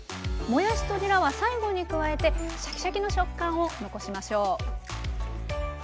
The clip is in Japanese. もやしとにらは最後に加えてシャキシャキの食感を残しましょう。